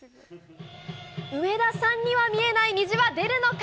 上田さんには見えない虹は虹は出るのか。